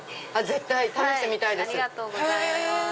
絶対試してみたいです。